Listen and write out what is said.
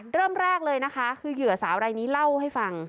เริ่มแรกเลยนะคะคือเหยื่อสาวรายนี้เล่าให้ฟัง